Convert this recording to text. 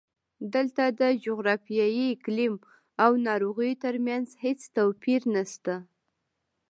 دلته د جغرافیې، اقلیم او ناروغیو ترمنځ هېڅ توپیر نشته.